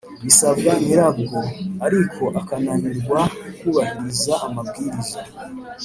Bisabwa nyirabwo ariko akananirwa kubahiriza amabwiriza